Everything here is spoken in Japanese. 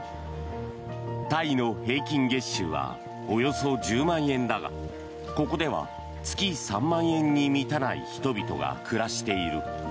タイの平均月収はおよそ１０万円だがここでは月３万円に満たない人々が暮らしている。